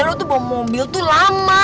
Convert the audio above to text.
lo tuh bawa mobil tuh lama